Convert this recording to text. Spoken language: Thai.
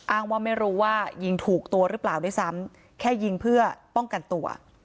อ้างว่าไม่รู้ว่ายิงถูกตัวหรือเปล่าด้วยซ้ำแค่ยิงเพื่อป้องกันตัว